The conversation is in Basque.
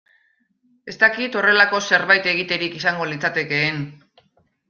Ez dakit horrelako zerbait egiterik izango litzatekeen.